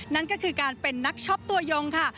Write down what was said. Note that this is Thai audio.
นั่นก็คือการเป็นนักช็อปตัวยงค่ะ